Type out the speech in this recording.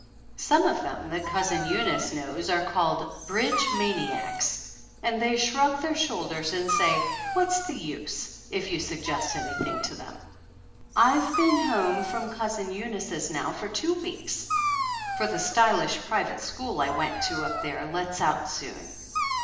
Some of them that Cousin Eunice knows are called "bridge maniacs," and they shrug their 31 THE ANNALS OF ANN shoulders and say "What's the use?" if you suggest anything to them. I have been home from Cousin Eunice's now for two weeks, for the stylish, private school I went to up there lets out soon.